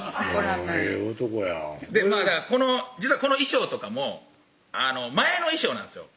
男や実はこの衣装とかも前の衣装なんですよ